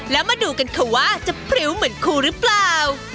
แล้วมาดูกันค่ะว่าจะพริ้วเหมือนครูหรือเปล่า